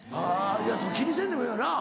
いや気にせんでもええよな。